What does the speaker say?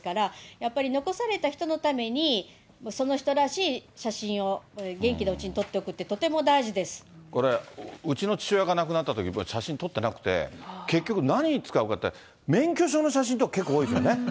やっぱり残された人のために、その人らしい写真を元気なうちに撮っておくって、これ、うちの父親が亡くなったときに、これ、写真撮ってなくて、結局、何使うかって、免許証の写真とか、結構多いんですよね。